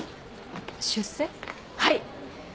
はい。